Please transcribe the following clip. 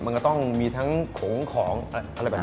เพราะฉะนั้นถ้าใครอยากทานเปรี้ยวเหมือนโป้แตก